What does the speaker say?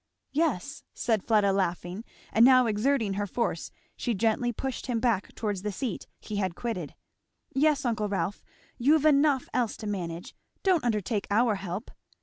"Yes," said Fleda laughing, and now exerting her force she gently pushed him back towards the seat he had quitted, "yes, uncle Rolf you've enough else to manage don't undertake our 'help.'